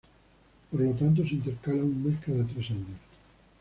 Por lo tanto se intercala un mes cada tres años.